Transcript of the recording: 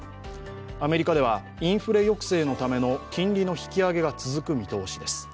アメリカではインフレ抑制のための金利の引き上げが続く見通しです。